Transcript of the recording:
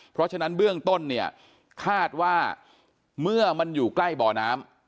เพราะฉะนั้นเบื้องต้นเนี่ยคาดว่าเมื่อมันอยู่ใกล้บ่อน้ำ